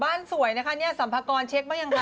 บ้านสวยนะนี่ซัมพากรเช็คปะยังคะ